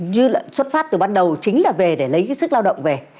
như xuất phát từ ban đầu chính là về để lấy cái sức lao động về